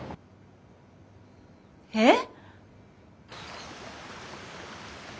えっ！？